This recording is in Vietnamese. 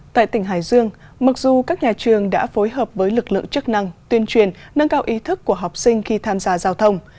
tại tỉnh hải dương mặc dù các nhà trường đã phối hợp với lực lượng chức năng tuyên truyền nâng cao ý thức của học sinh khi tham gia giao thông